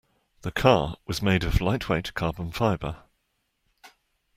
The car was made of lightweight Carbon Fibre.